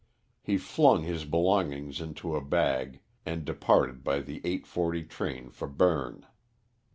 He flung his belongings into a bag, and departed by the 8:40 train for Berne.